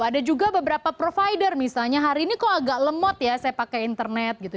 ada juga beberapa provider misalnya hari ini kok agak lemot ya saya pakai internet gitu